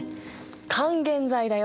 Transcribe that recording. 還元剤だよ。